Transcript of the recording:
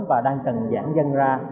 và đang cần giãn dân ra